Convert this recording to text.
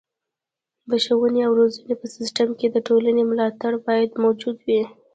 د ښوونې او روزنې په سیستم کې د ټولنې ملاتړ باید موجود وي.